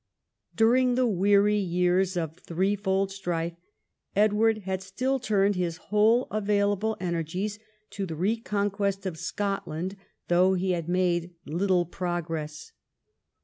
During the Aveary years of threefold strife, Edward had still turned his whole available energies to the reconquest of Scotland, though he had made little progress.